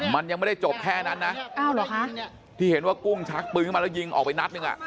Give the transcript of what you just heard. มันยังไม่ได้จบแค่นั้นนะที่เห็นว่ากุ้งชักปืนขึ้นมาแล้วยิงออกไปนัดหนึ่งอ่ะ